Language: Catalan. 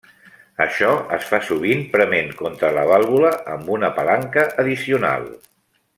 Això es fa sovint prement contra la vàlvula amb una palanca addicional.